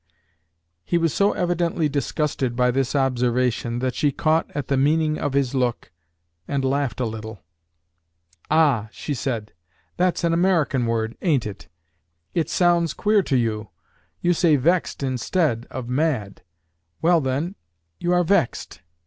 He was so evidently disgusted by this observation, that she caught at the meaning of his look, and laughed a little. "Ah!" she said, "that's an American word, ain't it? It sounds queer to you. You say 'vexed' instead of 'mad.' Well, then, you are vexed."